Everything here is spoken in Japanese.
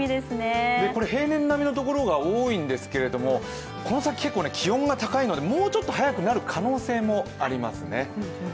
これ平年並みの所が多いんですけれどもこの先、結構気温が高いのでもうちょっと早くなる可能性がありますね。